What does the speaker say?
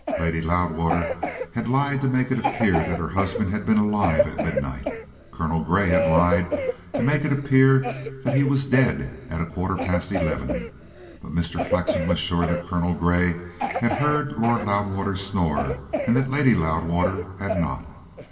Lady Loudwater had lied to make it appear that her husband had been alive at midnight. Colonel Grey had lied to make it appear that he was dead at a quarter past eleven. But Mr. Flexen was sure that Colonel Grey had heard Lord Loudwater snore and that Lady Loudwater had not.